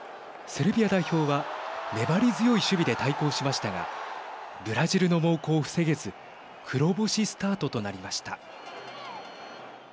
セルビア代表は粘り強い守備で対抗しましたがブラジルの猛攻を防げず黒星スタートとなりました。